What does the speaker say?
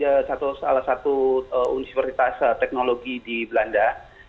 di kota delawang salah satu universitas teknologi di belanda